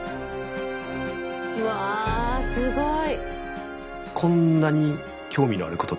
うわすごい。